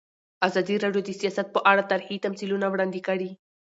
ازادي راډیو د سیاست په اړه تاریخي تمثیلونه وړاندې کړي.